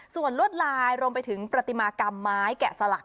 ส่วนลวดลายรวมไปถึงประติมากรรมไม้แกะสลัก